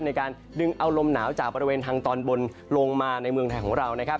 ในการดึงเอาลมหนาวจากบริเวณทางตอนบนลงมาในเมืองไทยของเรานะครับ